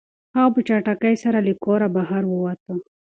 هغه په چټکۍ سره له کوره بهر ووت.